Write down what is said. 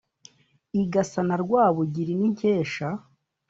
igasa na rwabugili n’inkesha